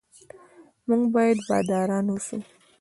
موږ باید باداران اوسو.